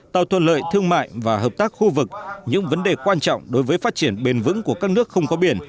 tạo thuận lợi thương mại và hợp tác khu vực những vấn đề quan trọng đối với phát triển bền vững của các nước không có biển